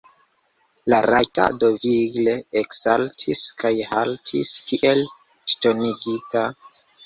La rajdato vigle eksaltis kaj haltis kiel ŝtonigita.